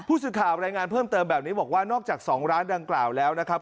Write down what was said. ผู้สื่อข่าวรายงานเพิ่มเติมแบบนี้บอกว่านอกจาก๒ร้านดังกล่าวแล้วนะครับ